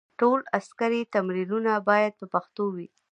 ټول عسکري تمرینونه باید په پښتو وي.